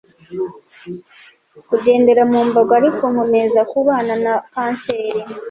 kugendera mu mbago ariko nkomeza kubana na kanseri